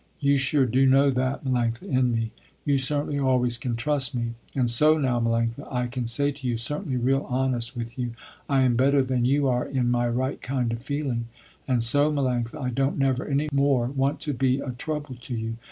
You sure do know that, Melanctha, in me. You certainly always can trust me. And so now Melanctha, I can say to you certainly real honest with you, I am better than you are in my right kind of feeling. And so Melanctha, I don't never any more want to be a trouble to you.